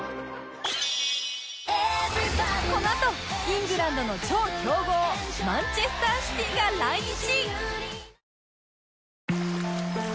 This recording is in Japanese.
このあとイングランドの超強豪マンチェスター・シティが来日！